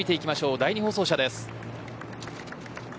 第２放送車です。